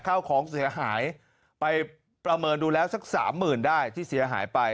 ข้าวของเสียหายไปประเมินดูแล้วสักสามหมื่นได้ที่เสียหายไป